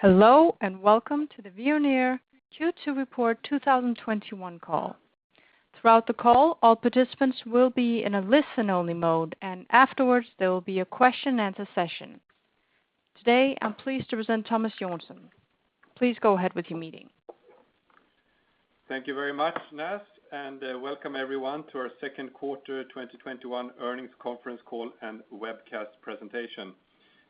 Hello, and welcome to the Veoneer Q2 Report 2021 call. Throughout the call, all participants will be in a listen-only mode, and afterwards, there will be a question and answer session. Today, I'm pleased to present Thomas Jönsson. Please go ahead with your meeting. Thank you very much, Nas, welcome everyone to our second quarter 2021 earnings conference call and webcast presentation.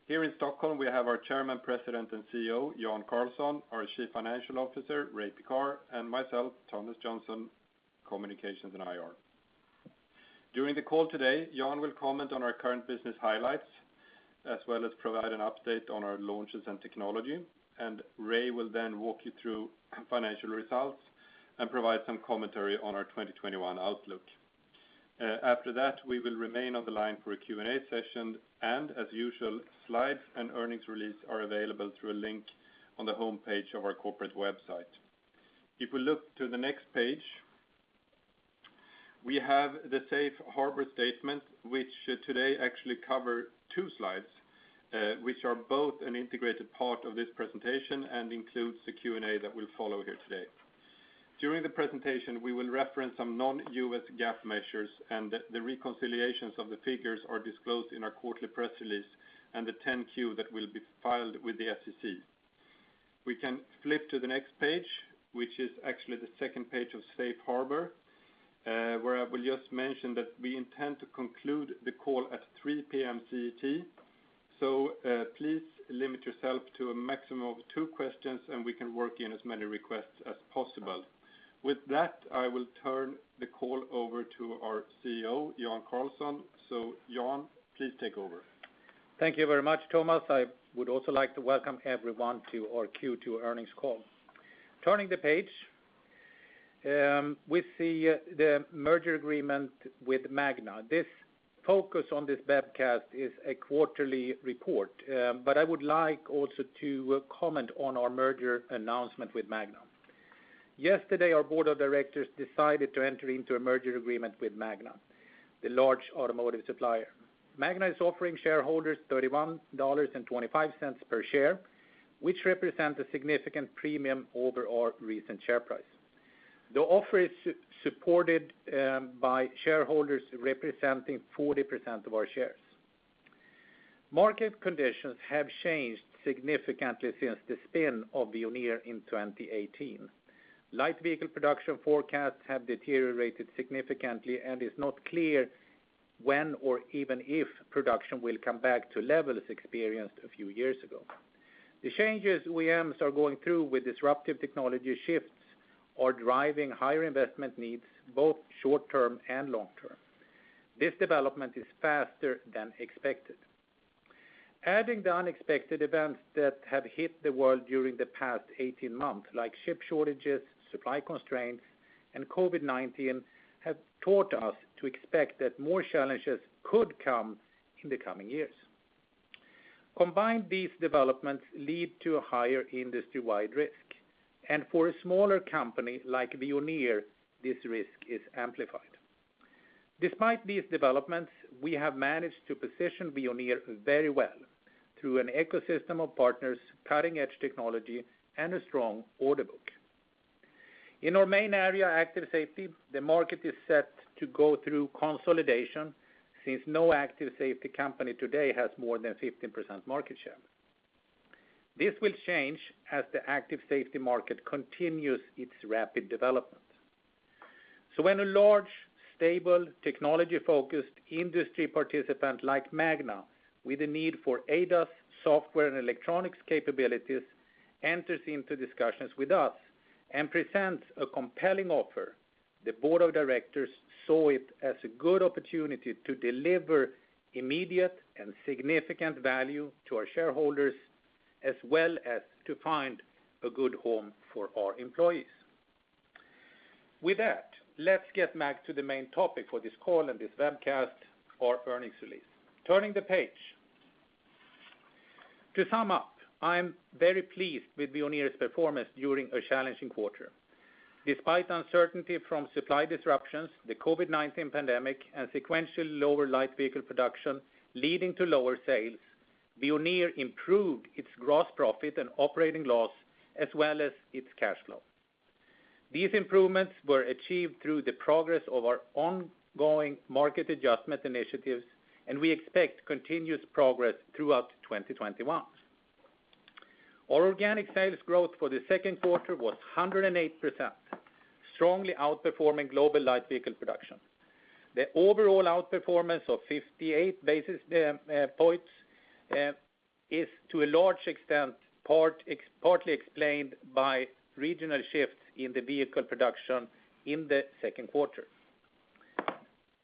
Here in Stockholm, we have our Chairman, President, and CEO, Jan Carlson, our Chief Financial Officer, Ray Pekar, and myself, Thomas Jönsson, Communications & IR. During the call today, Jan will comment on our current business highlights, as well as provide an update on our launches and technology. Ray will then walk you through financial results and provide some commentary on our 2021 outlook. After that, we will remain on the line for a Q&A session, as usual, slides and earnings release are available through a link on the homepage of our corporate website. If we look to the next page, we have the safe harbor statement, which today actually covers two slides, which are both an integrated part of this presentation and includes the Q&A that will follow here today. During the presentation, we will reference some non-U.S. GAAP measures, and the reconciliations of the figures are disclosed in our quarterly press release and the 10-Q that will be filed with the SEC. We can flip to the next page, which is actually the second page of safe harbor, where I will just mention that we intend to conclude the call at 3:00 P.M. CET. Please limit yourself to a maximum of two questions, and we can work in as many requests as possible. With that, I will turn the call over to our CEO, Jan Carlson. Jan, please take over. Thank you very much, Thomas. I would also like to welcome everyone to our Q2 earnings call. Turning the page, we see the merger agreement with Magna. This focus on this webcast is a quarterly report. I would like also to comment on our merger announcement with Magna. Yesterday, our board of directors decided to enter into a merger agreement with Magna, the large automotive supplier. Magna is offering shareholders $31.25 per share, which represents a significant premium over our recent share price. The offer is supported by shareholders representing 40% of our shares. Market conditions have changed significantly since the spin of Veoneer in 2018. Light vehicle production forecasts have deteriorated significantly. It's not clear when, or even if production will come back to levels experienced a few years ago. The changes OEMs are going through with disruptive technology shifts are driving higher investment needs, both short term and long term. This development is faster than expected. Adding the unexpected events that have hit the world during the past 18 months like chip shortages, supply constraints, and COVID-19, have taught us to expect that more challenges could come in the coming years. Combined, these developments lead to a higher industry-wide risk. For a smaller company like Veoneer, this risk is amplified. Despite these developments, we have managed to position Veoneer very well through an ecosystem of partners, cutting-edge technology, and a strong order book. In our main area, Active Safety, the market is set to go through consolidation since no Active Safety company today has more than 15% market share. This will change as the Active Safety market continues its rapid development. When a large, stable, technology-focused industry participant like Magna with a need for ADAS software and electronics capabilities enters into discussions with us and presents a compelling offer, the board of directors saw it as a good opportunity to deliver immediate and significant value to our shareholders, as well as to find a good home for our employees. With that, let's get back to the main topic for this call and this webcast, our earnings release. Turning the page. To sum up, I'm very pleased with Veoneer's performance during a challenging quarter. Despite uncertainty from supply disruptions, the COVID-19 pandemic, and sequentially lower light vehicle production leading to lower sales, Veoneer improved its gross profit and operating loss as well as its cash flow. These improvements were achieved through the progress of our ongoing market adjustment initiatives, and we expect continuous progress throughout 2021. Our organic sales growth for the second quarter was 108%, strongly outperforming global light vehicle production. The overall outperformance of 58 basis points, is to a large extent partly explained by regional shifts in the vehicle production in the second quarter.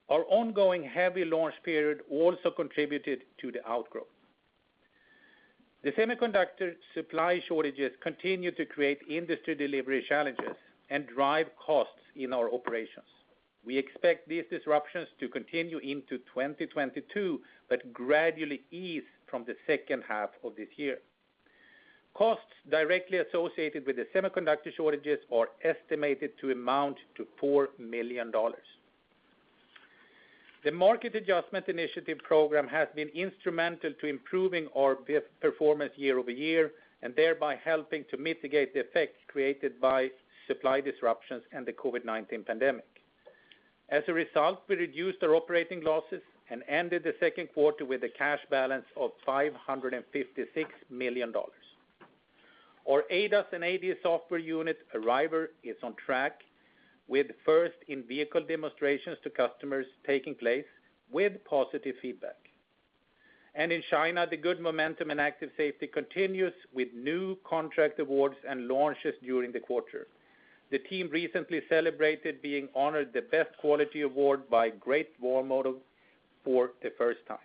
Our ongoing heavy launch period also contributed to the outgrowth. The semiconductor supply shortages continue to create industry delivery challenges and drive costs in our operations. We expect these disruptions to continue into 2022, but gradually ease from the second half of this year. Costs directly associated with the semiconductor shortages are estimated to amount to $4 million. The Market Adjustment Initiative Program has been instrumental to improving our performance YoY, and thereby helping to mitigate the effects created by supply disruptions and the COVID-19 pandemic. As a result, we reduced our operating losses and ended the second quarter with a cash balance of $556 million. Our ADAS and AD software unit Arriver is on track with first in-vehicle demonstrations to customers taking place with positive feedback. In China, the good momentum in Active Safety continues with new contract awards and launches during the quarter. The team recently celebrated being honored the Best Quality Award by Great Wall Motor for the first time.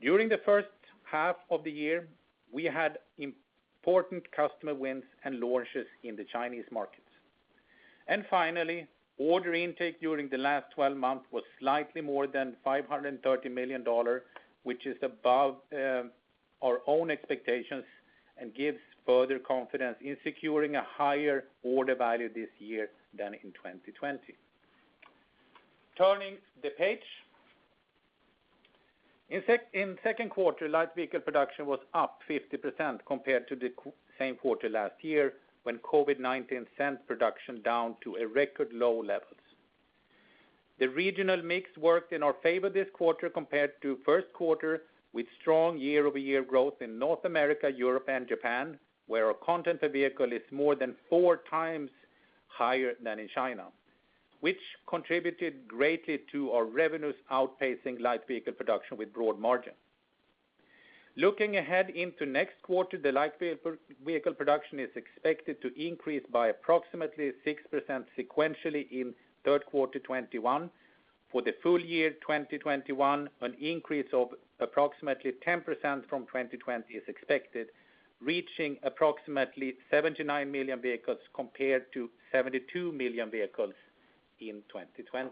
During the first half of the year, we had important customer wins and launches in the Chinese markets. Finally, order intake during the last 12 months was slightly more than $530 million, which is above our own expectations and gives further confidence in securing a higher order value this year than in 2020. Turning the page. In second quarter, light vehicle production was up 50% compared to the same quarter last year, when COVID-19 sent production down to record low levels. The regional mix worked in our favor this quarter compared to 1st quarter, with strong YoY growth in North America, Europe, and Japan, where our content per vehicle is more than four times higher than in China, which contributed greatly to our revenues outpacing light vehicle production with broad margin. Looking ahead into next quarter, the light vehicle production is expected to increase by approximately 6% sequentially in third quarter 2021. For the full year 2021, an increase of approximately 10% from 2020 is expected, reaching approximately 79 million vehicles compared to 72 million vehicles in 2020.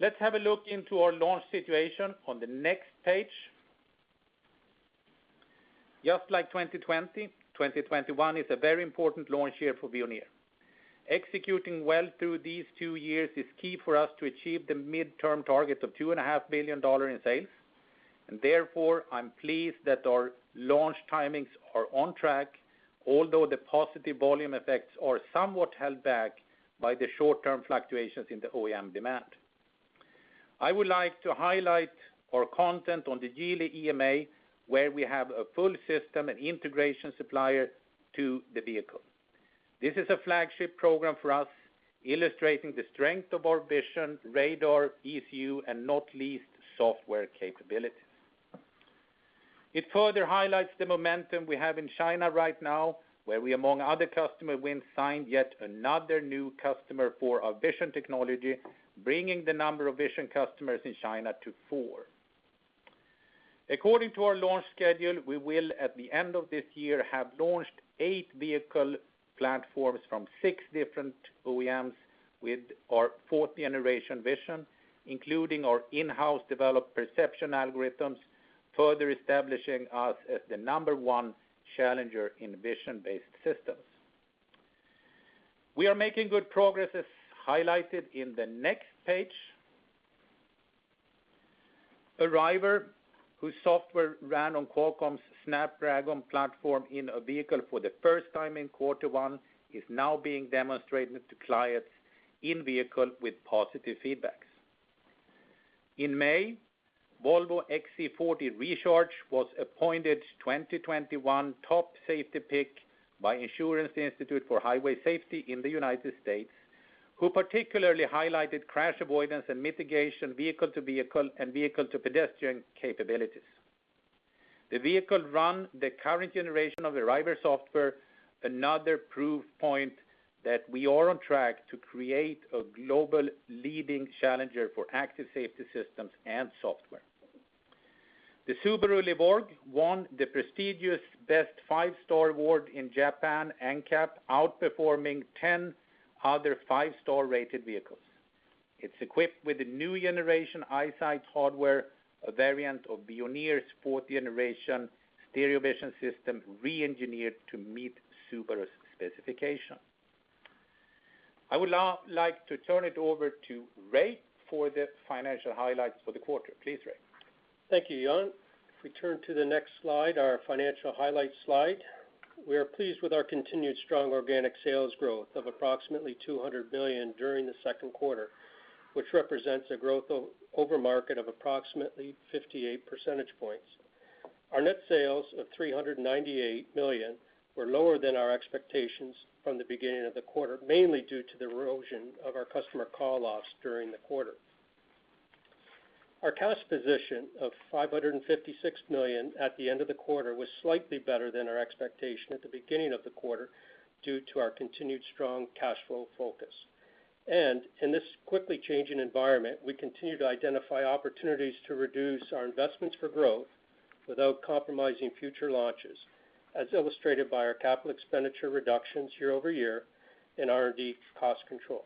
Let's have a look into our launch situation on the next page. Just like 2020, 2021 is a very important launch year for Veoneer. Executing well through these two years is key for us to achieve the midterm target of $2.5 billion in sales. Therefore, I'm pleased that our launch timings are on track, although the positive volume effects are somewhat held back by the short-term fluctuations in the OEM demand. I would like to highlight our content on the Geely EMA, where we have a full system and integration supplier to the vehicle. This is a flagship program for us, illustrating the strength of our vision, radar, ECU, and not least software capabilities. It further highlights the momentum we have in China right now, where we, among other customer wins, signed yet another new customer for our vision technology, bringing the number of vision customers in China to four. According to our launch schedule, we will, at the end of this year, have launched eight vehicle platforms from six different OEMs with our 4th generation vision, including our in-house developed perception algorithms, further establishing us as the number one challenger in vision-based systems. We are making good progress, as highlighted in the next page. Arriver, whose software ran on Qualcomm's Snapdragon platform in a vehicle for the first time in quarter one, is now being demonstrated to clients in vehicle with positive feedbacks. In May, Volvo XC40 Recharge was appointed 2021 Top Safety Pick by Insurance Institute for Highway Safety in the U.S., who particularly highlighted crash avoidance and mitigation, vehicle-to-vehicle and vehicle-to-pedestrian capabilities. The vehicle run the current generation of Arriver software, another proof point that we are on track to create a global leading challenger for Active Safety systems and software. The Subaru Levorg won the prestigious Best Five Star Award in Japan NCAP, outperforming 10 other five-star rated vehicles. It's equipped with the new generation EyeSight hardware, a variant of Veoneer's fourth generation stereo vision system, re-engineered to meet Subaru's specification. I would like to turn it over to Ray for the financial highlights for the quarter. Please, Ray. Thank you, Jan. If we turn to the next slide, our financial highlights slide. We are pleased with our continued strong organic sales growth of approximately $200 million during the second quarter, which represents a growth over market of approximately 58 percentage points. Our net sales of $398 million were lower than our expectations from the beginning of the quarter, mainly due to the erosion of our customer call-offs during the quarter. Our cash position of $556 million at the end of the quarter was slightly better than our expectation at the beginning of the quarter due to our continued strong cash flow focus. In this quickly changing environment, we continue to identify opportunities to reduce our investments for growth without compromising future launches, as illustrated by our capital expenditure reductions YoY in R&D cost control.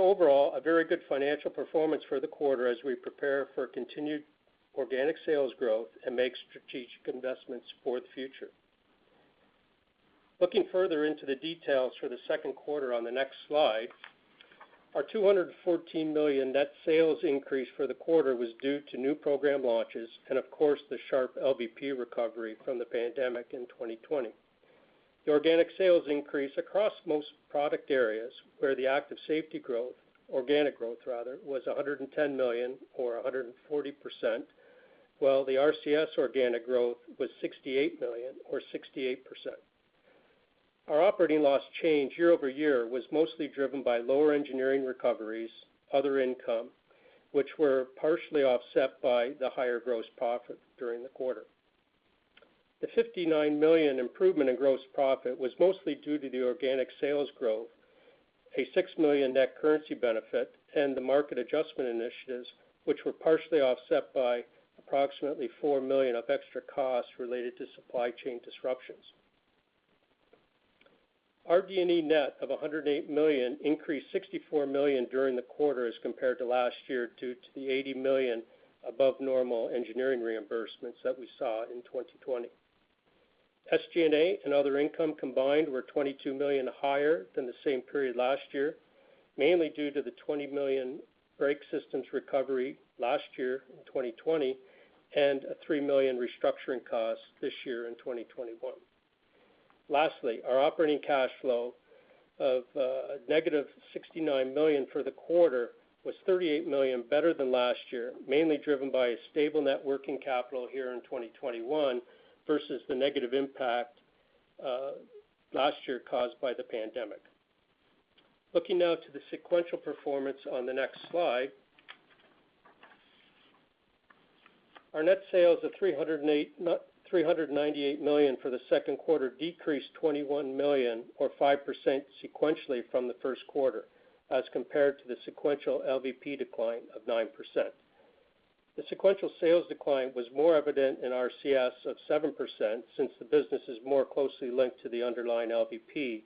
Overall, a very good financial performance for the quarter as we prepare for continued organic sales growth and make strategic investments for the future. Looking further into the details for the second quarter on the next slide, our $214 million net sales increase for the quarter was due to new program launches and of course, the sharp LVP recovery from the pandemic in 2020. The organic sales increase across most product areas where the Active Safety growth, organic growth rather, was $110 million or 140%, while the RCS organic growth was $68 million or 68%. Our operating loss change YoY was mostly driven by lower engineering recoveries, other income, which were partially offset by the higher gross profit during the quarter. The $59 million improvement in gross profit was mostly due to the organic sales growth, a $6 million net currency benefit, and the market adjustment initiatives, which were partially offset by approximately $4 million of extra costs related to supply chain disruptions. Our RD&E, net of $108 million increased $64 million during the quarter as compared to last year, due to the $80 million above normal engineering reimbursements that we saw in 2020. SG&A and other income combined were $22 million higher than the same period last year, mainly due to the $20 million brake systems recovery last year in 2020, and a $3 million restructuring cost this year in 2021. Lastly, our operating cash flow of -$69 million for the quarter was $38 million better than last year, mainly driven by a stable net working capital here in 2021 versus the negative impact last year caused by the pandemic. Looking now to the sequential performance on the next slide. Our net sales of $398 million for the second quarter decreased $21 million or 5% sequentially from the first quarter as compared to the sequential LVP decline of 9%. The sequential sales decline was more evident in RCS of 7% since the business is more closely linked to the underlying LVP,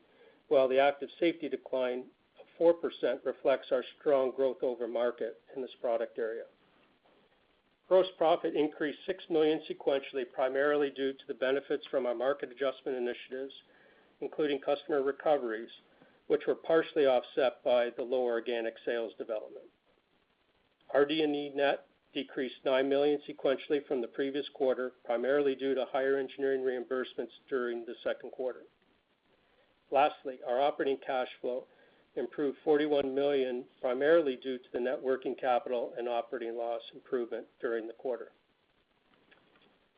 while the Active Safety decline of 4% reflects our strong growth over market in this product area. Gross profit increased $6 million sequentially, primarily due to the benefits from our market adjustment initiatives, including customer recoveries, which were partially offset by the lower organic sales development. Our RD&E, net decreased $9 million sequentially from the previous quarter, primarily due to higher engineering reimbursements during the second quarter. Lastly, our operating cash flow improved $41 million, primarily due to the net working capital and operating loss improvement during the quarter.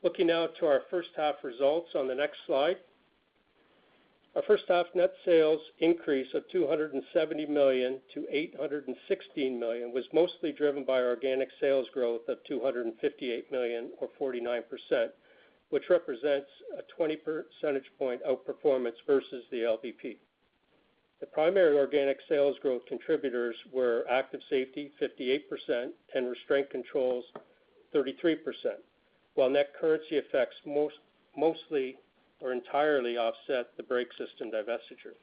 Looking now to our first half results on the next slide. Our first half net sales increase of $270 million to $816 million was mostly driven by organic sales growth of $258 million or 49%, which represents a 20 percentage point outperformance versus the LVP. The primary organic sales growth contributors were Active Safety, 58%, and Restraint Controls, 33%, while net currency effects mostly or entirely offset the brake system divestiture.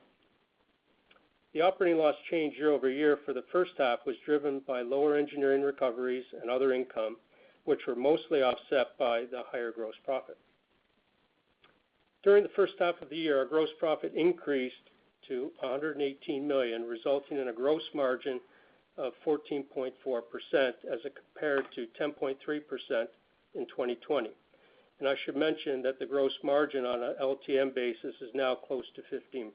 The operating loss change YoY for the first half was driven by lower engineering recoveries and other income, which were mostly offset by the higher gross profit. During the first half of the year, our gross profit increased to $118 million, resulting in a gross margin of 14.4% as compared to 10.3% in 2020. I should mention that the gross margin on an LTM basis is now close to 15%.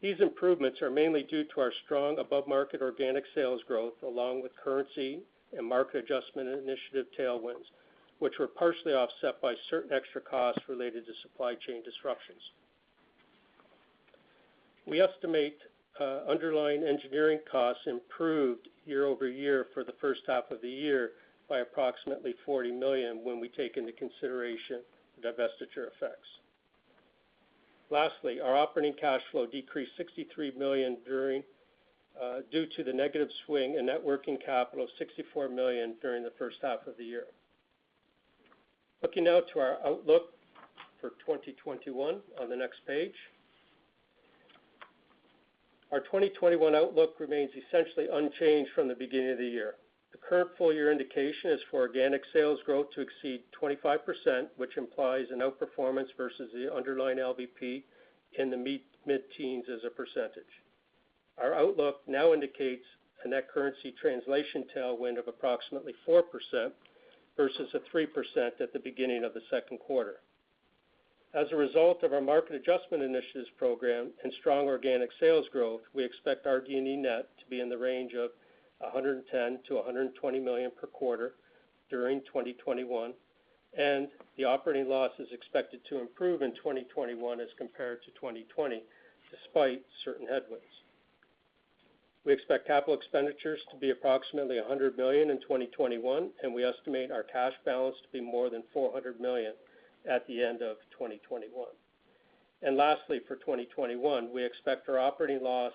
These improvements are mainly due to our strong above-market organic sales growth, along with currency and market adjustment initiative tailwinds, which were partially offset by certain extra costs related to supply chain disruptions. We estimate underlying engineering costs improved YoY for the first half of the year by approximately $40 million when we take into consideration the divestiture effects. Lastly, our operating cash flow decreased $63 million due to the negative swing in net working capital of $64 million during the first half of the year. Looking now to our outlook for 2021 on the next page. Our 2021 outlook remains essentially unchanged from the beginning of the year. The current full year indication is for organic sales growth to exceed 25%, which implies an outperformance versus the underlying LVP in the mid-teens as a percentage. Our outlook now indicates a net currency translation tailwind of approximately 4% versus a 3% at the beginning of the second quarter. As a result of our market adjustment initiatives program and strong organic sales growth, we expect RD&E net to be in the range of $110 million-$120 million per quarter during 2021. The operating loss is expected to improve in 2021 as compared to 2020, despite certain headwinds. We expect capital expenditures to be approximately $100 million in 2021, and we estimate our cash balance to be more than $400 million at the end of 2021. Lastly, for 2021, we expect our operating loss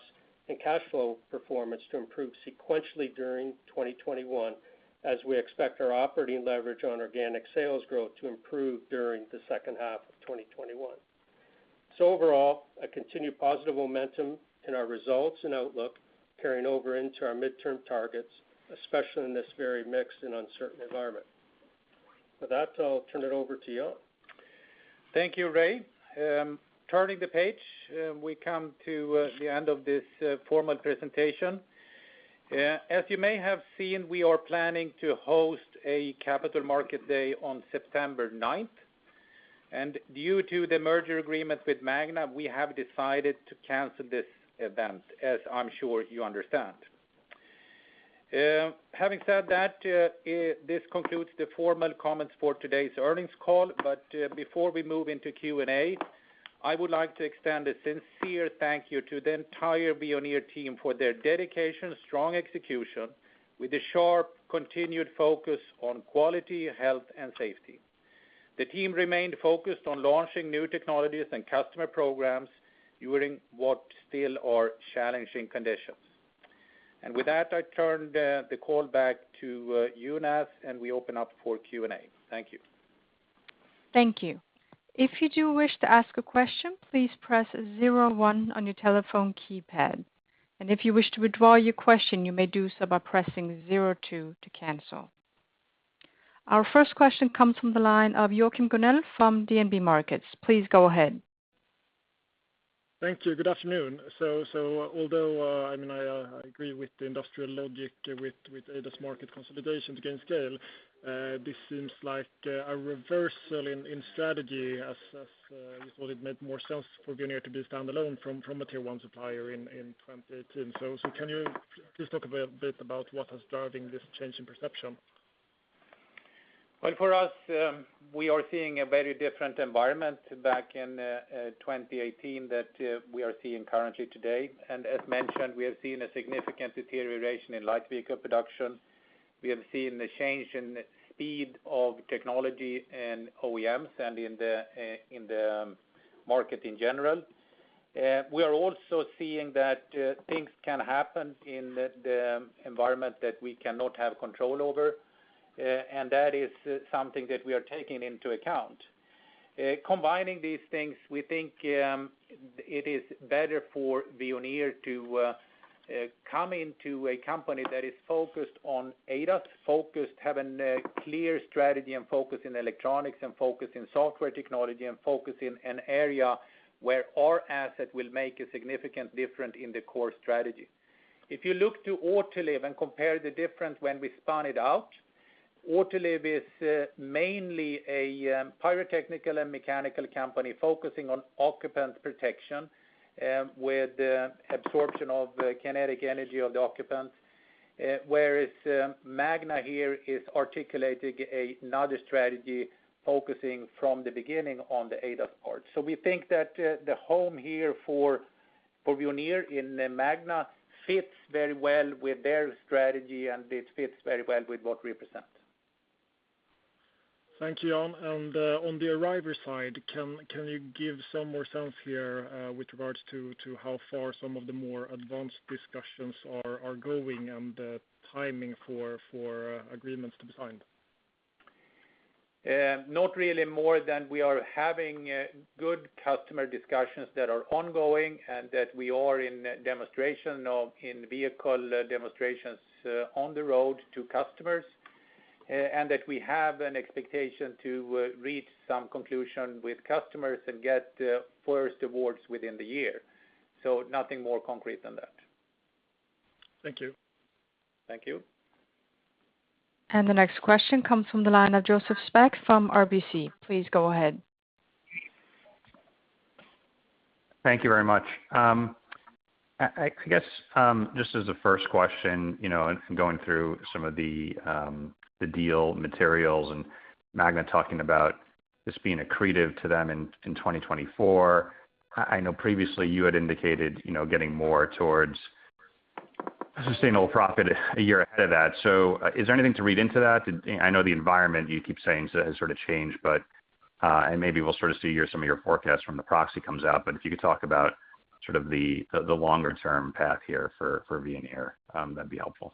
and cash flow performance to improve sequentially during 2021, as we expect our operating leverage on organic sales growth to improve during the second half of 2021. Overall, a continued positive momentum in our results and outlook carrying over into our midterm targets, especially in this very mixed and uncertain environment. With that, I'll turn it over to Jan. Thank you, Ray. Turning the page, we come to the end of this formal presentation. As you may have seen, we are planning to host a capital market day on September 9th. Due to the merger agreement with Magna, we have decided to cancel this event, as I'm sure you understand. Having said that, this concludes the formal comments for today's earnings call. Before we move into Q&A, I would like to extend a sincere thank you to the entire Veoneer team for their dedication, strong execution, with a sharp continued focus on quality, health, and safety. The team remained focused on launching new technologies and customer programs during what still are challenging conditions. With that, I turn the call back to you, Nas, and we open up for Q&A. Thank you. Thank you. If you do wish to ask a question, please press zero one on your telephone keypad. If you wish to withdraw your question, you may do so by pressing zero one to cancel. Our first question comes from the line of Joachim Gunell from DNB Markets. Please go ahead. Thank you. Good afternoon. Although, I agree with the industrial logic with ADAS market consolidation to gain scale, this seems like a reversal in strategy as you thought it made more sense for Veoneer to be standalone from a Tier 1 supplier in 2018. Can you please talk a bit about what is driving this change in perception? Well, for us, we are seeing a very different environment back in 2018 that we are seeing currently today. As mentioned, we have seen a significant deterioration in light vehicle production. We have seen a change in speed of technology in OEMs and in the market in general. We are also seeing that things can happen in the environment that we cannot have control over, and that is something that we are taking into account. Combining these things, we think it is better for Veoneer to come into a company that is focused on ADAS, have a clear strategy, and focus in electronics and focus in software technology, and focus in an area where our asset will make a significant difference in the core strategy. If you look to Autoliv and compare the difference when we spun it out, Autoliv is mainly a pyrotechnical and mechanical company focusing on occupant protection, with absorption of kinetic energy of the occupants. Whereas Magna here is articulating another strategy, focusing from the beginning on the ADAS part. We think that the home here for Veoneer in Magna fits very well with their strategy, and it fits very well with what we represent. Thank you, Jan. On the Arriver side, can you give some more sense here with regards to how far some of the more advanced discussions are going, and the timing for agreements to be signed? Not really more than we are having good customer discussions that are ongoing, and that we are in demonstration of in-vehicle demonstrations on the road to customers. That we have an expectation to reach some conclusion with customers and get first awards within the year. Nothing more concrete than that. Thank you. Thank you. The next question comes from the line of Joseph Spak from RBC. Please go ahead. Thank you very much. I guess, just as a first question, in going through some of the deal materials and Magna talking about this being accretive to them in 2024. I know previously you had indicated getting more towards a sustainable profit a year ahead of that. Is there anything to read into that? I know the environment you keep saying has sort of changed, but, and maybe we'll sort of see some of your forecasts when the proxy comes out, but if you could talk about the longer-term path here for Veoneer, that'd be helpful.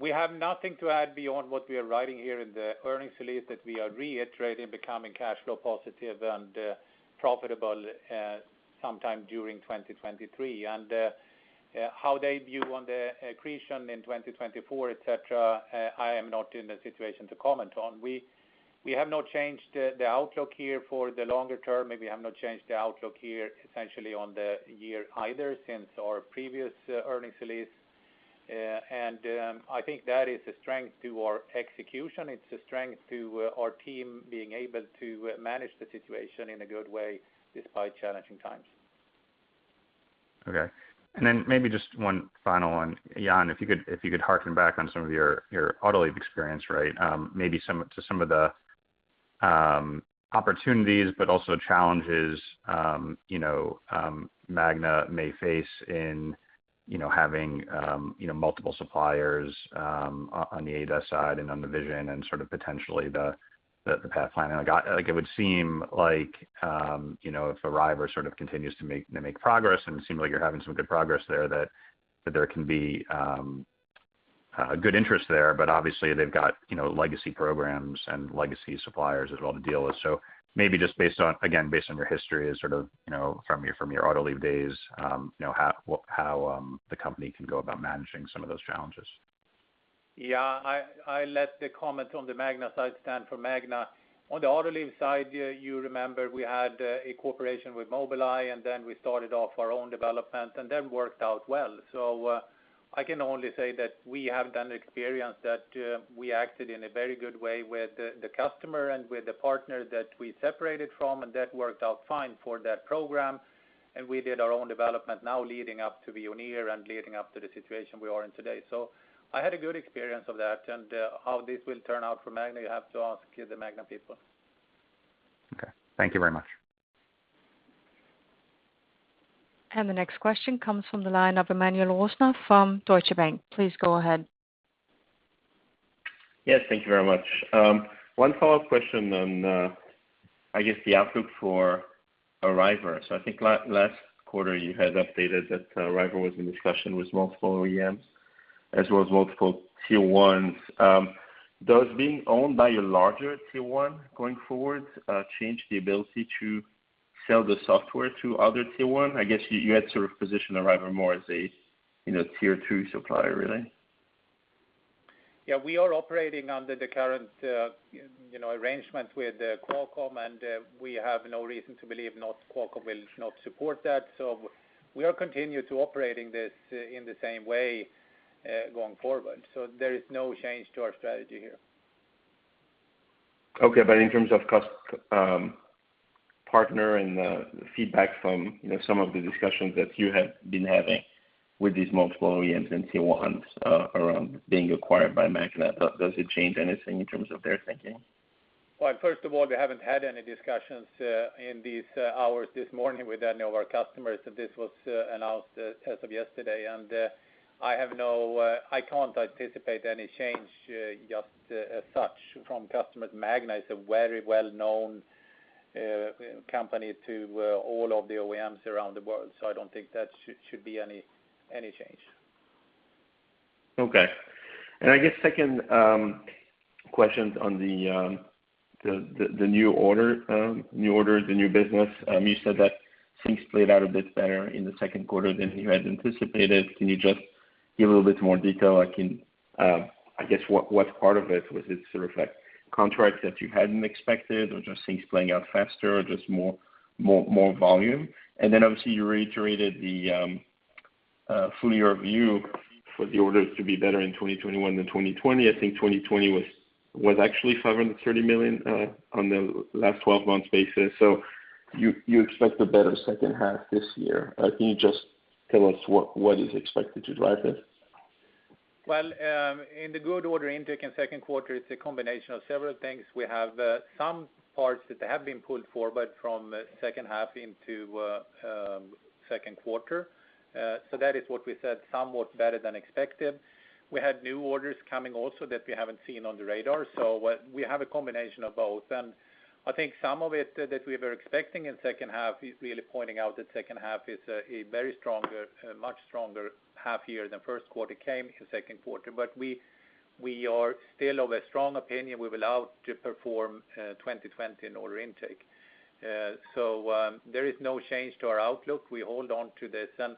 We have nothing to add beyond what we are writing here in the earnings release, that we are reiterating becoming cash flow positive and profitable sometime during 2023. How they view on the accretion in 2024, et cetera, I am not in a situation to comment on. We have not changed the outlook here for the longer term, we have not changed the outlook here essentially on the year either since our previous earnings release. I think that is a strength to our execution. It's a strength to our team being able to manage the situation in a good way despite challenging times. Okay. Maybe just one final one. Jan, if you could harken back on some of your Autoliv experience, right? Maybe to some of the opportunities, but also challenges Magna may face in having multiple suppliers on the ADAS side and on the vision and potentially the path planning. It would seem if Arriver continues to make progress, and it seems like you're having some good progress there, that there can be a good interest there. Obviously they've got legacy programs and legacy suppliers as well to deal with. Maybe just based on, again, based on your history as sort of from your Autoliv days, how the company can go about managing some of those challenges. Yeah. I let the comment on the Magna side stand for Magna. On the Autoliv side, you remember we had a cooperation with Mobileye, and then we started off our own development, and that worked out well. I can only say that we have done experience that we acted in a very good way with the customer and with the partner that we separated from, and that worked out fine for that program. We did our own development now leading up to Veoneer and leading up to the situation we are in today. I had a good experience of that. How this will turn out for Magna, you have to ask the Magna people. Okay. Thank you very much. The next question comes from the line of Emmanuel Rosner from Deutsche Bank. Please go ahead. Yes, thank you very much. One follow-up question on, I guess, the outlook for Arriver. I think last quarter you had updated that Arriver was in discussion with multiple OEMs, as well as multiple tier ones. Does being owned by a larger tier one going forward change the ability to sell the software to other tier one? I guess you had sort of positioned Arriver more as a tier two supplier, really. Yeah, we are operating under the current arrangement with Qualcomm, we have no reason to believe Qualcomm will not support that. We are continue to operating this in the same way going forward. There is no change to our strategy here. Okay. In terms of partner and the feedback from some of the discussions that you have been having with these multiple OEMs and tier ones around being acquired by Magna, does it change anything in terms of their thinking? Well, first of all, we haven't had any discussions in these hours this morning with any of our customers. This was announced as of yesterday. I can't anticipate any change just as such from customers. Magna is a very well-known company to all of the OEMs around the world, I don't think that should be any change. Okay. I guess second question on the new order. The new business. You said that things played out a bit better in the second quarter than you had anticipated. Can you just give a little bit more detail? I guess, what part of it? Was it sort of like contracts that you hadn't expected or just things playing out faster or just more volume? Obviously you reiterated the full year view for the orders to be better in 2021 than 2020. I think 2020 was actually $530 million on the last 12 months basis. You expect a better second half this year. Can you just tell us what is expected to drive this? Well, in the good order intake in second quarter, it's a combination of several things. We have some parts that have been pulled forward from second half into second quarter. That is what we said, somewhat better than expected. We had new orders coming also that we haven't seen on the radar. We have a combination of both. I think some of it that we were expecting in second half is really pointing out that second half is a very stronger, much stronger half year than first quarter came in second quarter. We are still of a strong opinion we will outperform 2020 in order intake. There is no change to our outlook. We hold on to this, and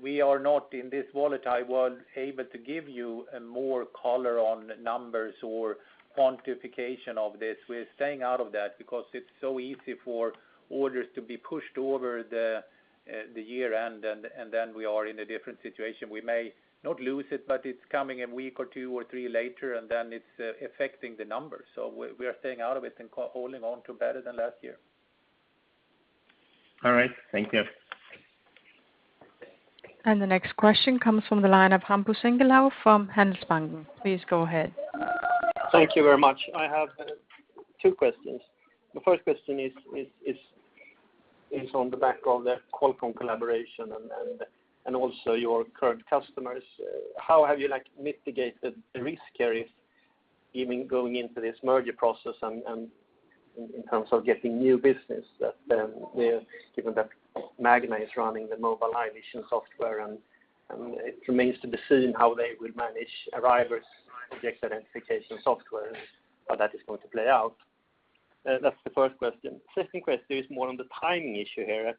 we are not, in this volatile world, able to give you more color on numbers or quantification of this. We're staying out of that because it's so easy for orders to be pushed over the year-end, and then we are in a different situation. We may not lose it, but it's coming a week or two or three later, and then it's affecting the numbers. We are staying out of it and holding on to better than last year. All right. Thank you. The next question comes from the line of Hampus Engellau from Handelsbanken. Please go ahead. Thank you very much. I have two questions. The first question is on the back of the Qualcomm collaboration and also your current customers. How have you mitigated the risk here if even going into this merger process and in terms of getting new business that given that Magna is running the Mobileye vision software and it remains to be seen how they will manage Arriver's object identification software, how that is going to play out. That's the first question. Second question is more on the timing issue here.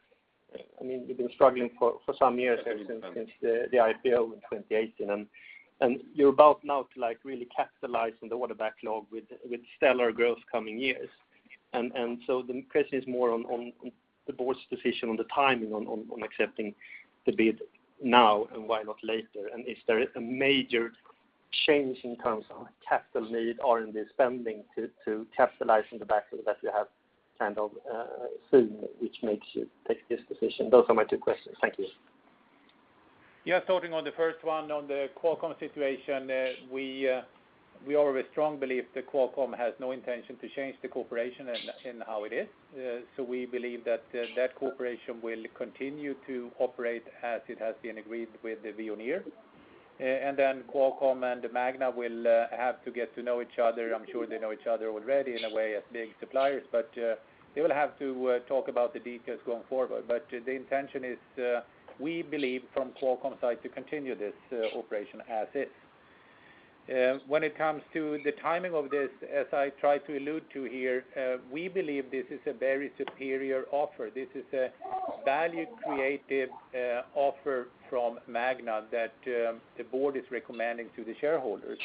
You've been struggling for some years since the IPO in 2018, you're about now to really capitalize on the order backlog with stellar growth coming years. The question is more on the board's decision on the timing on accepting the bid now and why not later? Is there a major change in terms of capital need R&D spending to capitalize on the backlog that you have kind of soon, which makes you take this decision? Those are my two questions. Thank you. Yeah. Starting on the first one on the Qualcomm situation. We are of a strong belief that Qualcomm has no intention to change the cooperation and how it is. We believe that that cooperation will continue to operate as it has been agreed with Veoneer. Qualcomm and Magna will have to get to know each other. I'm sure they know each other already in a way as big suppliers, but they will have to talk about the details going forward. The intention is, we believe from Qualcomm side to continue this operation as is. When it comes to the timing of this, as I tried to allude to here, we believe this is a very superior offer. This is a value-created offer from Magna that the board is recommending to the shareholders.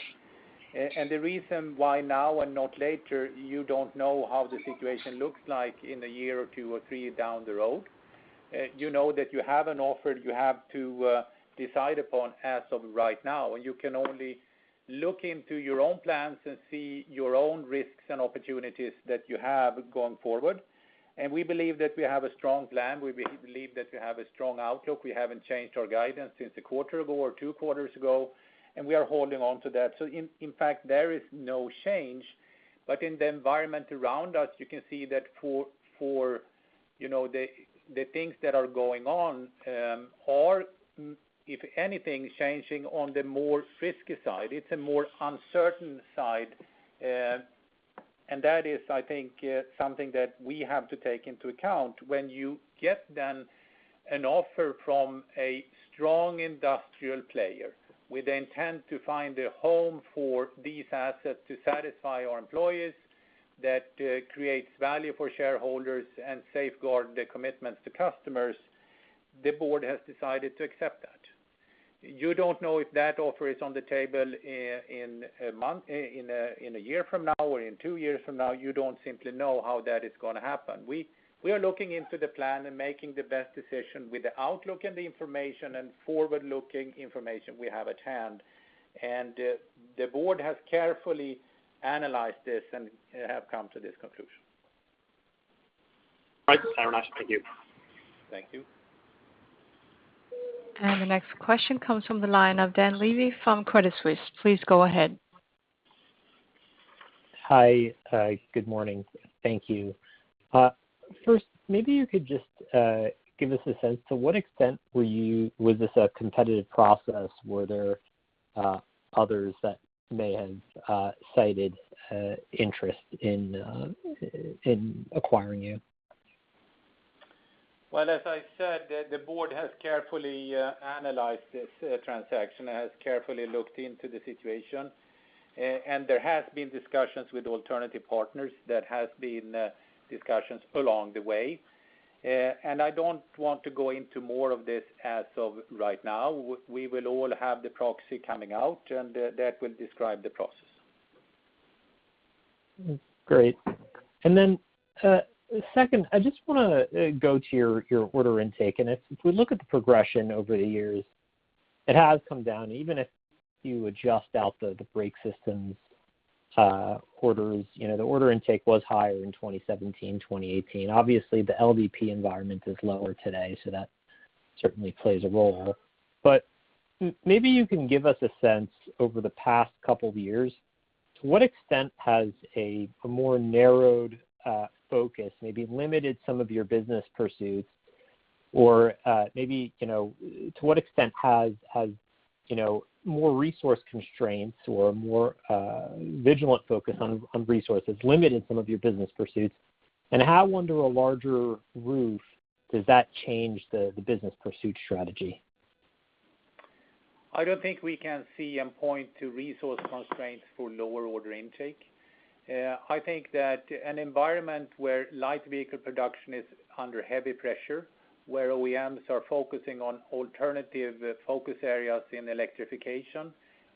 The reason why now and not later, you don't know how the situation looks like in a year or two or three down the road. You know that you have an offer you have to decide upon as of right now, and you can only look into your own plans and see your own risks and opportunities that you have going forward. We believe that we have a strong plan. We believe that we have a strong outlook. We haven't changed our guidance since a quarter ago or two quarters ago, and we are holding on to that. In fact, there is no change. In the environment around us, you can see that for the things that are going on are, if anything, changing on the more risky side. It's a more uncertain side, and that is, I think, something that we have to take into account. When you get, then, an offer from a strong industrial player with the intent to find a home for these assets to satisfy our employees that creates value for shareholders and safeguard the commitments to customers, the board has decided to accept that. You don't know if that offer is on the table in a year from now or in two years from now. You don't simply know how that is going to happen. We are looking into the plan and making the best decision with the outlook and the information and forward-looking information we have at hand, and the board has carefully analyzed this and have come to this conclusion. All right, Jan, thank you. Thank you. The next question comes from the line of Dan Levy from Credit Suisse. Please go ahead. Hi. Good morning. Thank you. First, maybe you could just give us a sense, to what extent was this a competitive process? Were there others that may have cited interest in acquiring you? As I said, the board has carefully analyzed this transaction, has carefully looked into the situation, and there has been discussions with alternative partners. There has been discussions along the way. I don't want to go into more of this as of right now. We will all have the proxy coming out, and that will describe the process. Great. Second, I just want to go to your order intake. If we look at the progression over the years, it has come down. Even if you adjust out the brake systems orders, the order intake was higher in 2017, 2018. Obviously, the LVP environment is lower today, that certainly plays a role. Maybe you can give us a sense over the past couple of years, to what extent has a more narrowed focus maybe limited some of your business pursuits? Maybe, to what extent has more resource constraints or more vigilant focus on resources limited some of your business pursuits? How, under a larger roof, does that change the business pursuit strategy? I don't think we can see and point to resource constraints for lower order intake. I think that an environment where light vehicle production is under heavy pressure, where OEMs are focusing on alternative focus areas in electrification,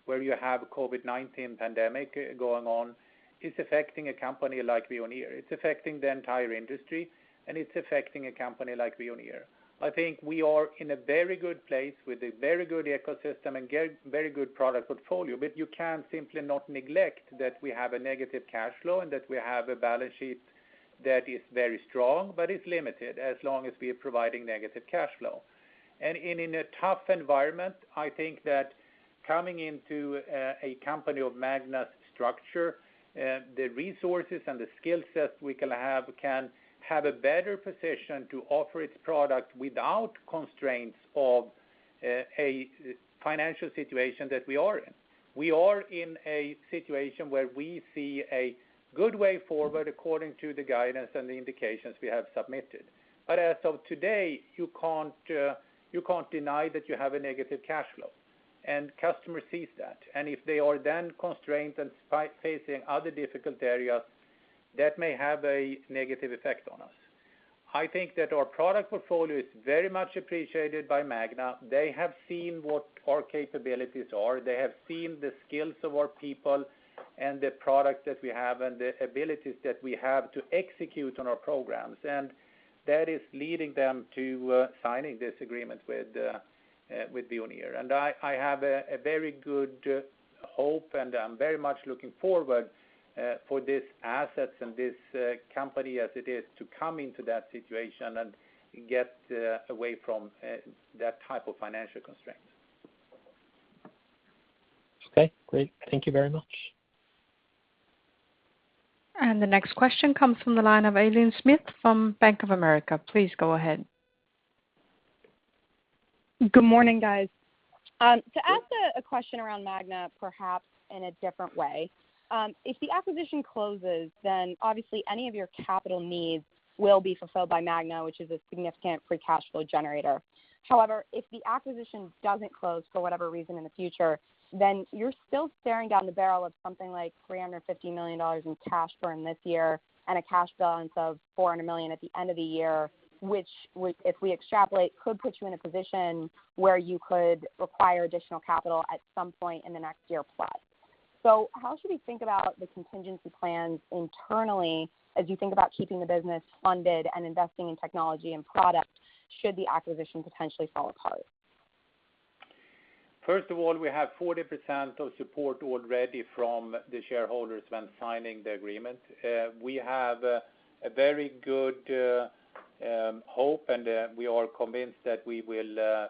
where you have COVID-19 pandemic going on, is affecting a company like Veoneer. It's affecting the entire industry, and it's affecting a company like Veoneer. I think we are in a very good place with a very good ecosystem and very good product portfolio. You can simply not neglect that we have a negative cash flow and that we have a balance sheet that is very strong, but it's limited as long as we are providing negative cash flow. In a tough environment, I think that coming into a company of Magna's structure, the resources and the skill set we can have can have a better position to offer its product without constraints of a financial situation that we are in. We are in a situation where we see a good way forward according to the guidance and the indications we have submitted. As of today, you can't deny that you have a negative cash flow, and customer sees that. If they are then constrained and facing other difficult areas, that may have a negative effect on us. I think that our product portfolio is very much appreciated by Magna. They have seen what our capabilities are. They have seen the skills of our people and the product that we have and the abilities that we have to execute on our programs. That is leading them to signing this agreement with Veoneer. I have a very good hope, and I'm very much looking forward for these assets and this company as it is to come into that situation and get away from that type of financial constraint. Okay, great. Thank you very much. The next question comes from the line of Aileen Smith from Bank of America. Please go ahead. Good morning, guys. To ask a question around Magna perhaps in a different way. If the acquisition closes, then obviously any of your capital needs will be fulfilled by Magna, which is a significant free cash flow generator. If the acquisition doesn't close for whatever reason in the future, then you're still staring down the barrel of something like $350 million in cash burn this year and a cash balance of $400 million at the end of the year, which if we extrapolate, could put you in a position where you could require additional capital at some point in the next year plus. How should we think about the contingency plans internally as you think about keeping the business funded and investing in technology and product should the acquisition potentially fall apart? First of all, we have 40% of support already from the shareholders when signing the agreement. We have a very good hope, and we are convinced that we will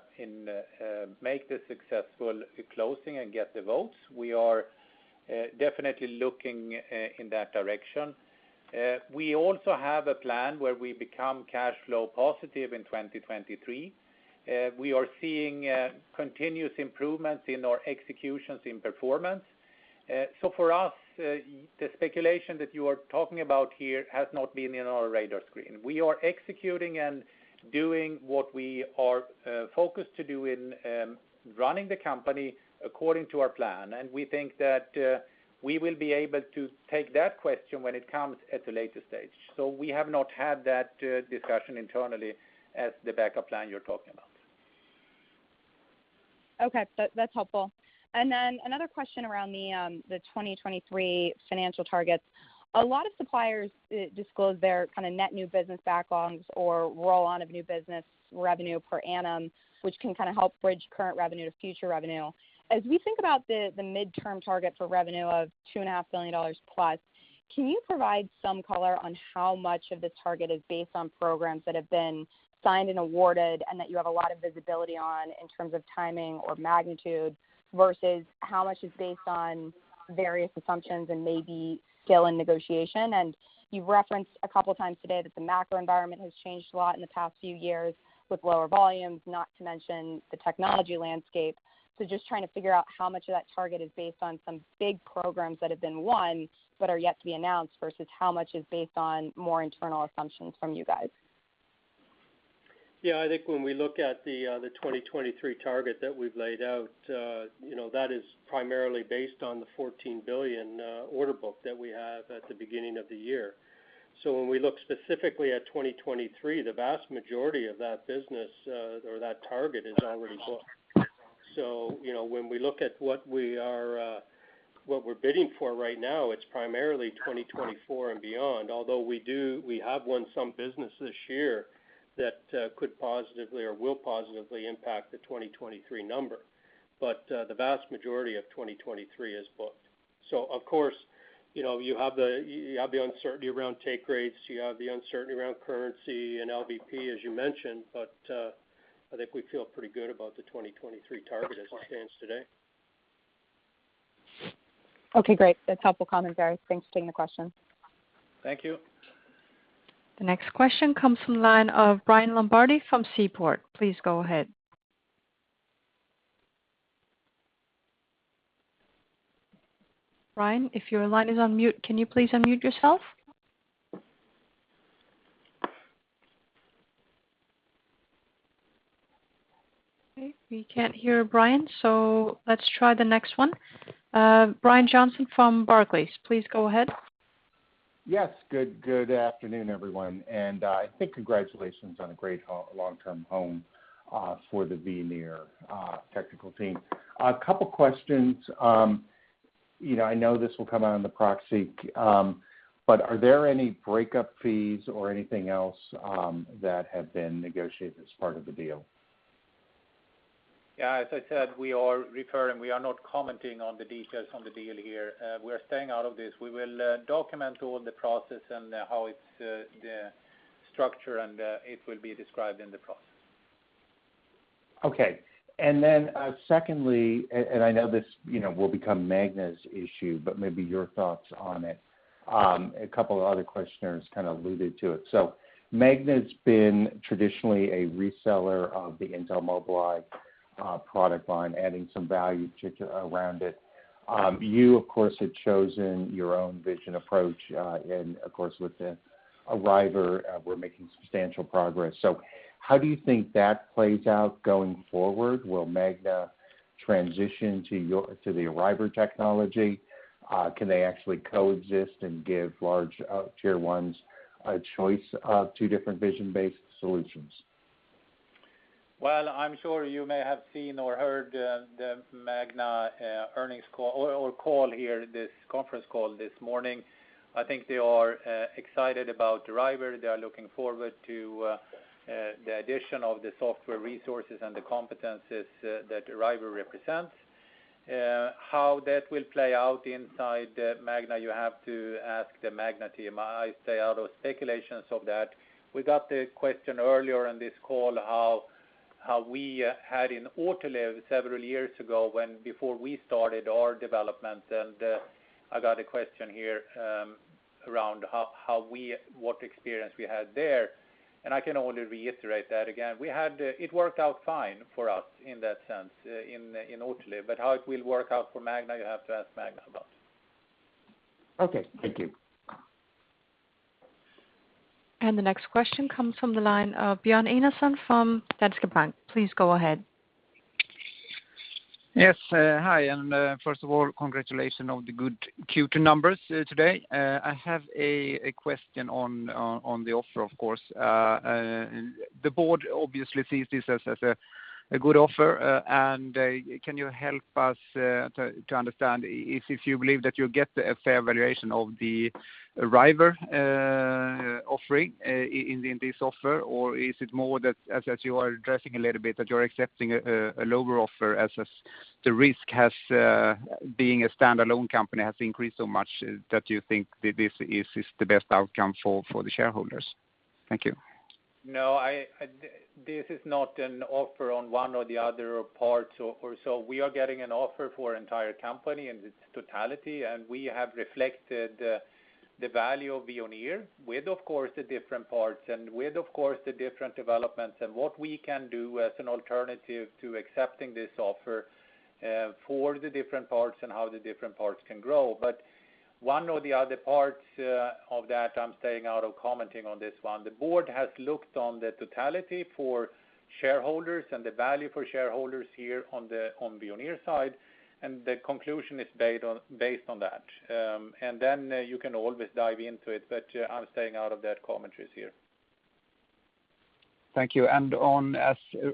make the successful closing and get the votes. We are definitely looking in that direction. We also have a plan where we become cash flow positive in 2023. We are seeing continuous improvements in our executions in performance. For us, the speculation that you are talking about here has not been in our radar screen. We are executing and doing what we are focused to do in running the company according to our plan. We think that we will be able to take that question when it comes at a later stage. We have not had that discussion internally as the backup plan you're talking about. Okay. That's helpful. Another question around the 2023 financial targets. A lot of suppliers disclose their net new business backlogs or roll-on of new business revenue per annum, which can help bridge current revenue to future revenue. As we think about the midterm target for revenue of $2.5 billion+, can you provide some color on how much of the target is based on programs that have been signed and awarded, and that you have a lot of visibility on in terms of timing or magnitude, versus how much is based on various assumptions and maybe scale and negotiation? You've referenced a couple times today that the macro environment has changed a lot in the past few years with lower volumes, not to mention the technology landscape. Just trying to figure out how much of that target is based on some big programs that have been won, but are yet to be announced, versus how much is based on more internal assumptions from you guys. Yeah, I think when we look at the 2023 target that we've laid out, that is primarily based on the $14 billion order book that we have at the beginning of the year. When we look specifically at 2023, the vast majority of that business, or that target, is already booked. When we look at what we're bidding for right now, it's primarily 2024 and beyond. Although we have won some business this year that could positively or will positively impact the 2023 number. The vast majority of 2023 is booked. Of course, you have the uncertainty around take rates, you have the uncertainty around currency and LVP, as you mentioned, but I think we feel pretty good about the 2023 target as it stands today. Okay, great. That's helpful commentary. Thanks for taking the question. Thank you. The next question comes from the line of Ryan Lombardi from Seaport. Please go ahead. Ryan, if your line is on mute, can you please unmute yourself? We can't hear Ryan. Let's try the next one. Brian Johnson from Barclays, please go ahead. Yes. Good afternoon, everyone, and I think congratulations on a great long-term home for the Veoneer technical team. A couple questions. I know this will come out in the proxy, but are there any breakup fees or anything else that have been negotiated as part of the deal? Yeah, as I said, we are not commenting on the details on the deal here. We're staying out of this. We will document all the process and how it's structured, and it will be described in the process. Okay. Secondly, and I know this will become Magna’s issue, but maybe your thoughts on it. A couple of other questioners kind of alluded to it. Magna’s been traditionally a reseller of the Intel Mobileye product line, adding some value around it. You, of course, had chosen your own vision approach, and of course, with Arriver, we’re making substantial progress. How do you think that plays out going forward? Will Magna transition to the Arriver technology? Can they actually coexist and give large tier ones a choice of two different vision-based solutions? Well, I'm sure you may have seen or heard the Magna earnings call or call here, this conference call this morning. I think they are excited about the Arriver. They are looking forward to the addition of the software resources and the competencies that Arriver represents. How that will play out inside Magna, you have to ask the Magna team. I stay out of speculations of that. We got the question earlier on this call how we had in Autoliv several years ago when before we started our development, and I got a question here around what experience we had there, and I can only reiterate that again. It worked out fine for us in that sense in Autoliv. How it will work out for Magna, you have to ask Magna about. Okay. Thank you. The next question comes from the line of Björn Enarson from Danske Bank. Please go ahead. Yes. Hi, first of all, congratulations on the good Q2 numbers today. I have a question on the offer, of course. The board obviously sees this as a good offer. Can you help us to understand if you believe that you'll get a fair valuation of the Arriver offering in this offer, or is it more that, as you are addressing a little bit, that you're accepting a lower offer as the risk being a standalone company has increased so much that you think that this is the best outcome for the shareholders? Thank you. This is not an offer on one or the other part. We are getting an offer for our entire company in its totality, and we have reflected the value of Veoneer with, of course, the different parts and with, of course, the different developments and what we can do as an alternative to accepting this offer for the different parts and how the different parts can grow. One or the other parts of that, I'm staying out of commenting on this one. The board has looked on the totality for shareholders and the value for shareholders here on the Veoneer side, and the conclusion is based on that. You can always dive into it, but I'm staying out of that commentary here. Thank you. On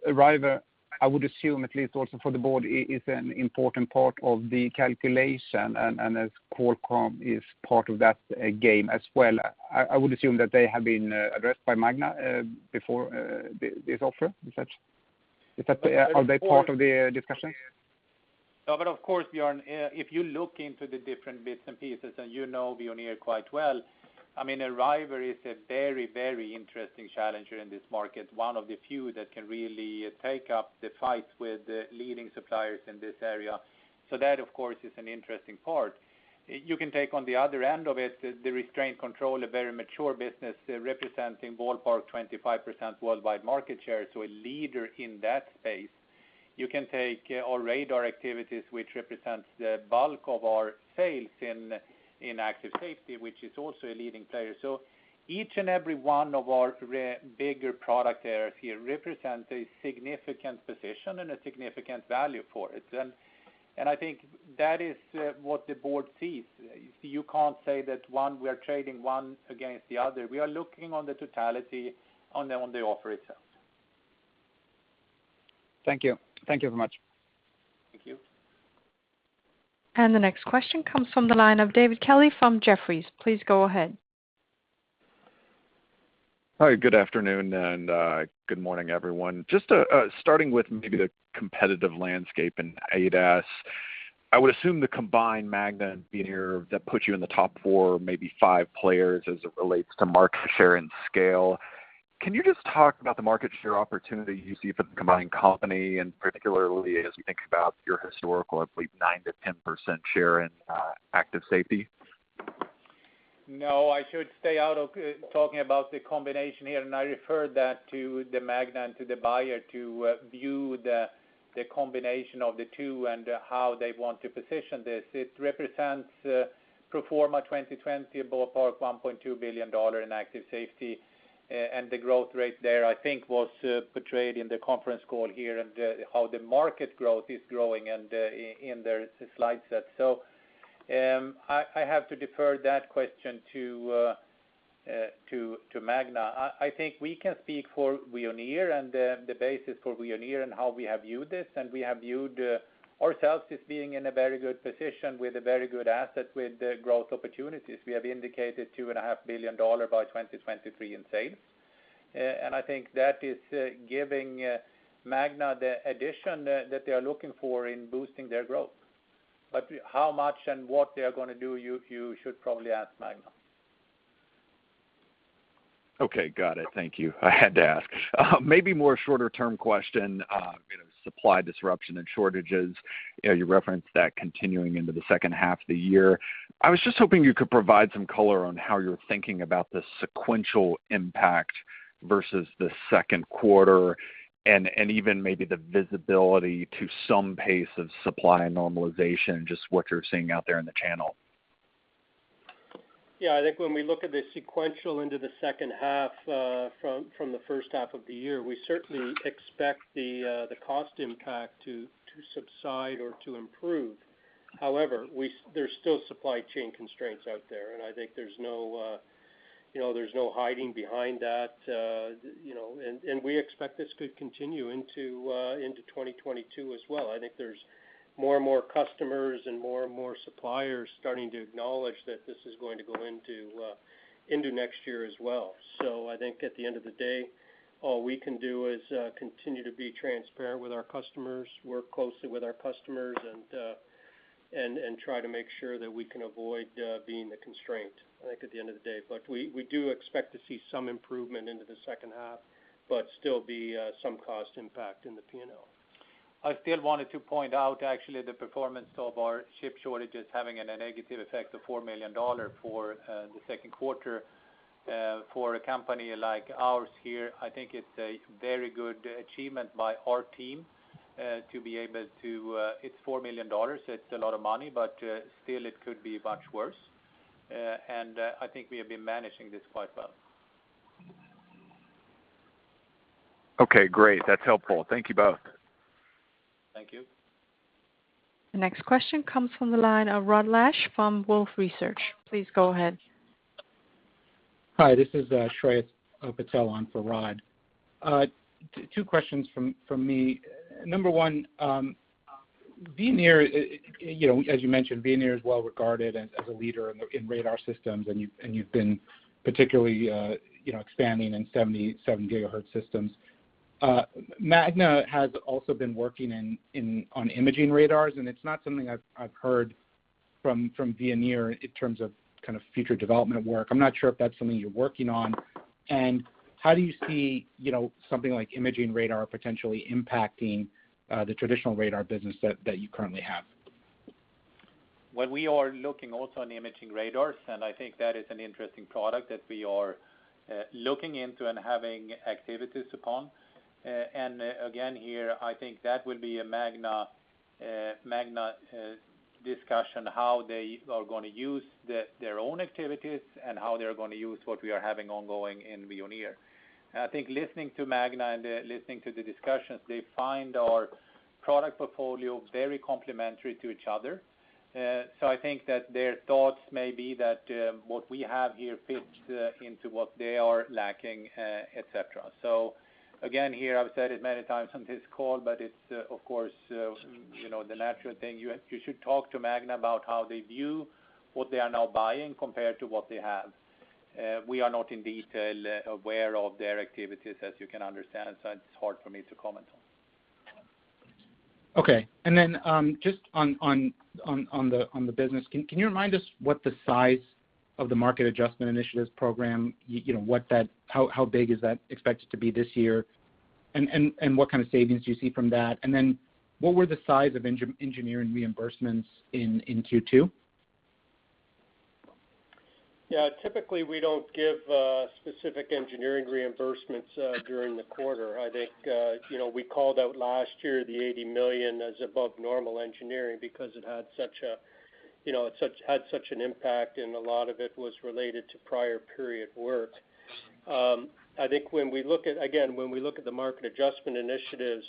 Arriver, I would assume at least also for the board is an important part of the calculation, as Qualcomm is part of that game as well, I would assume that they have been addressed by Magna before this offer. Are they part of the discussion? Of course, Björn, if you look into the different bits and pieces, and you know Veoneer quite well. Arriver is a very interesting challenger in this market. One of the few that can really take up the fight with the leading suppliers in this area. That, of course, is an interesting part. You can take on the other end of it, the Restraint Control, a very mature business representing ballpark 25% worldwide market share. A leader in that space. You can take our radar activities, which represents the bulk of our sales in Active Safety, which is also a leading player. Each and every one of our bigger product areas here represents a significant position and a significant value for it. I think that is what the board sees. You can't say that we're trading one against the other. We are looking on the totality on the offer itself. Thank you. Thank you very much. Thank you. The next question comes from the line of David Kelley from Jefferies. Please go ahead. Hi, good afternoon, and good morning, everyone. Just starting with maybe the competitive landscape in ADAS. I would assume the combined Magna and Veoneer, that puts you in the top four, maybe five players as it relates to market share and scale. Can you just talk about the market share opportunity you see for the combined company, and particularly as you think about your historical, I believe, 9%-10% share in Active Safety? No, I should stay out of talking about the combination here, and I refer that to Magna and to the buyer to view the combination of the two and how they want to position this. It represents pro forma 2020, a ballpark $1.2 billion in Active Safety. The growth rate there, I think, was portrayed in the conference call here and how the market growth is growing in their slide set. I have to defer that question to Magna. I think we can speak for Veoneer and the basis for Veoneer and how we have viewed this, and we have viewed ourselves as being in a very good position with a very good asset with growth opportunities. We have indicated $2.5 billion by 2023 in sales. I think that is giving Magna the addition that they are looking for in boosting their growth. How much and what they are going to do, you should probably ask Magna. Okay, got it. Thank you. I had to ask. Maybe more shorter-term question, supply disruption and shortages. You referenced that continuing into the second half of the year. I was just hoping you could provide some color on how you're thinking about the sequential impact versus the second quarter and even maybe the visibility to some pace of supply normalization, just what you're seeing out there in the channel. I think when we look at the sequential into the second half from the first half of the year, we certainly expect the cost impact to subside or to improve. However, there's still supply chain constraints out there, and I think there's no hiding behind that. We expect this could continue into 2022 as well. I think there's more and more customers and more and more suppliers starting to acknowledge that this is going to go into next year as well. I think at the end of the day, all we can do is continue to be transparent with our customers, work closely with our customers, and try to make sure that we can avoid being the constraint, I think, at the end of the day. We do expect to see some improvement into the second half, but still be some cost impact in the P&L. I still wanted to point out actually the performance of our chip shortages having a negative effect of $4 million for the second quarter. For a company like ours here, I think it's a very good achievement by our team. It's $4 million, it's a lot of money, but still it could be much worse. I think we have been managing this quite well. Okay, great. That's helpful. Thank you both. Thank you. The next question comes from the line of Rod Lache from Wolfe Research. Please go ahead. Hi, this is Shreyas Patil on for Rod. Two questions from me. Number one, as you mentioned, Veoneer is well regarded as a leader in radar systems, and you've been particularly expanding in 77 GHz systems. Magna has also been working on imaging radar, and it's not something I've heard from Veoneer in terms of future development work. I'm not sure if that's something you're working on. How do you see something like imaging radar potentially impacting the traditional radar business that you currently have? Well, we are looking also on imaging radar, I think that is an interesting product that we are looking into and having activities upon. Again, here, I think that would be a Magna discussion, how they are going to use their own activities and how they're going to use what we are having ongoing in Veoneer. I think listening to Magna and listening to the discussions, they find our product portfolio very complementary to each other. I think that their thoughts may be that what we have here fits into what they are lacking, et cetera. Again, here, I've said it many times on this call, but it's of course the natural thing. You should talk to Magna about how they view what they are now buying compared to what they have. We are not in detail aware of their activities, as you can understand. It's hard for me to comment on. Okay. Just on the business, can you remind us what the size of the Market Adjustment Initiatives Program, how big is that expected to be this year, and what kind of savings do you see from that? What were the size of engineering reimbursements in Q2? Yeah, typically we don't give specific engineering reimbursements during the quarter. I think we called out last year the $80 million as above normal engineering because it had such an impact, a lot of it was related to prior period work. I think, again, when we look at the market adjustment initiatives,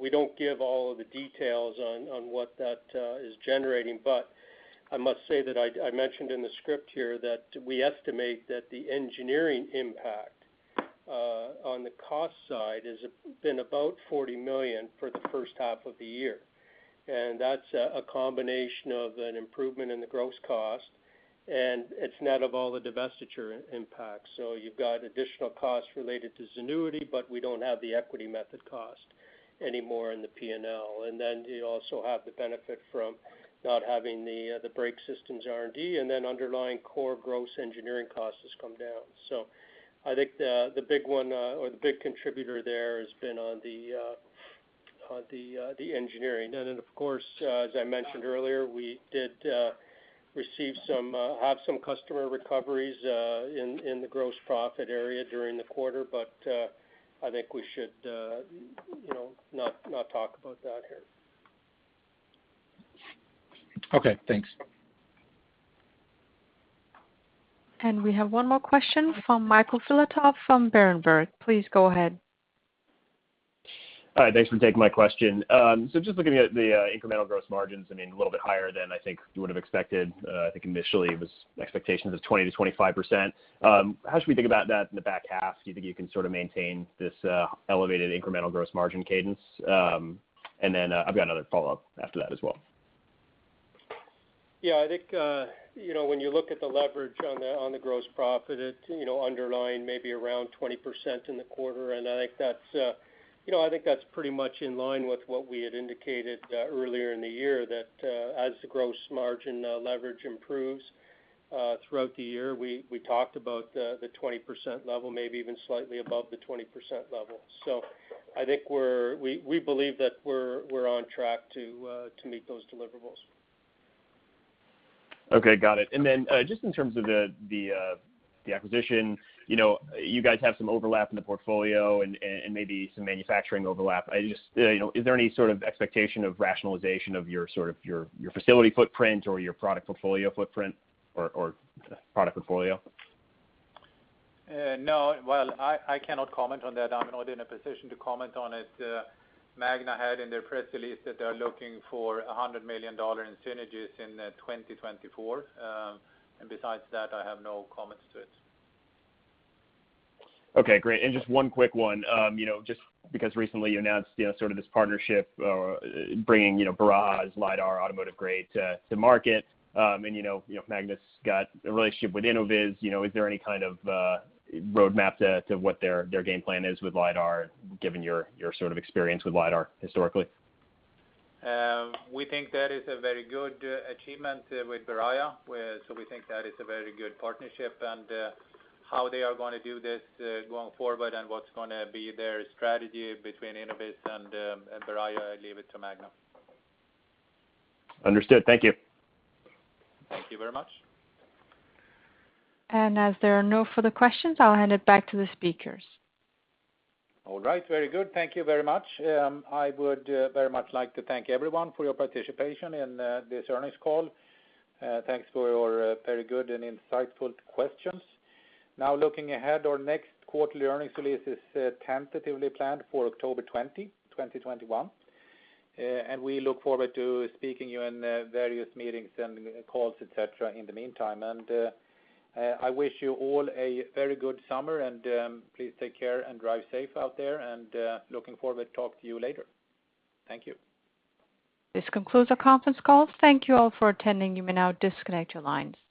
we don't give all of the details on what that is generating. I must say that I mentioned in the script here that we estimate that the engineering impact on the cost side has been about $40 million for the first half of the year. That's a combination of an improvement in the gross cost, and it's net of all the divestiture impact. You've got additional costs related to Zenuity, but we don't have the equity method cost anymore in the P&L. You also have the benefit from not having the brake systems R&D, and then underlying core gross engineering costs has come down. I think the big one, or the big contributor there has been on the engineering. Of course, as I mentioned earlier, we did have some customer recoveries in the gross profit area during the quarter, but I think we should not talk about that here. Okay, thanks. We have one more question from Michael Filatov from Berenberg. Please go ahead. Hi, thanks for taking my question. Just looking at the incremental gross margins, a little bit higher than I think you would've expected. I think initially it was expectations of 20%-25%. How should we think about that in the back half? Do you think you can sort of maintain this elevated incremental gross margin cadence? I've got another follow-up after that as well. I think when you look at the leverage on the gross profit, underlying maybe around 20% in the quarter, I think that's pretty much in line with what we had indicated earlier in the year, that as the gross margin leverage improves throughout the year, we talked about the 20% level, maybe even slightly above the 20% level. I think we believe that we're on track to meet those deliverables. Okay, got it. Just in terms of the acquisition, you guys have some overlap in the portfolio and maybe some manufacturing overlap. Is there any sort of expectation of rationalization of your facility footprint or your product portfolio footprint or product portfolio? No. Well, I cannot comment on that. I am not in a position to comment on it. Magna had in their press release that they are looking for $100 million in synergies in 2024. Besides that, I have no comments to it. Okay, great. Just one quick one, just because recently you announced sort of this partnership, bringing Velodyne's LIDAR automotive grade to market. Magna's got a relationship with Innoviz. Is there any kind of roadmap to what their game plan is with LIDAR, given your sort of experience with LIDAR historically? We think that is a very good achievement with Velodyne. We think that is a very good partnership, and how they are going to do this going forward and what is going to be their strategy between Innoviz and Velodyne, I leave it to Magna. Understood. Thank you. Thank you very much. As there are no further questions, I'll hand it back to the speakers. All right. Very good. Thank you very much. I would very much like to thank everyone for your participation in this earnings call. Thanks for your very good and insightful questions. Now looking ahead, our next quarterly earnings release is tentatively planned for October 20th, 2021. We look forward to speaking to you in various meetings and calls, et cetera, in the meantime. I wish you all a very good summer, and please take care and drive safe out there, and looking forward to talk to you later. Thank you. This concludes our conference call. Thank you all for attending. You may now disconnect your lines.